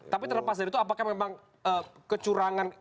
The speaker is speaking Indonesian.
tapi terlepas dari itu apakah memang kecurangan